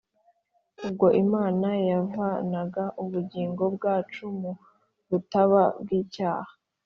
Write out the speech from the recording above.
ubwo imana yavanaga ubugingo bwacu mu bubata bw’icyaha,